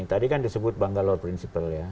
tadi kan disebut bangalore principle ya